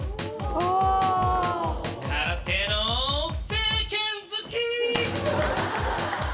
「空手の」「正拳突き！」